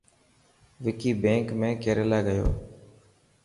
وڪي بينڪ ۾ ڪيريلا گيو؟